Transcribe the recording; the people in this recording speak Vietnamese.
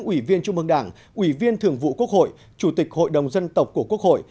ủy viên trung mương đảng ủy viên thường vụ quốc hội chủ tịch hội đồng dân tộc của quốc hội